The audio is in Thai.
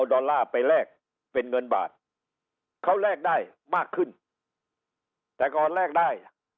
ดอลลาร์ไปแลกเป็นเงินบาทเขาแลกได้มากขึ้นแต่ก่อนแลกได้